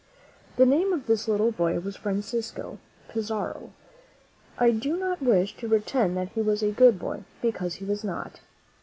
The name of this little boy was Francisco Pizarro. I do not wish to pretend that he was a good boy, because he was not.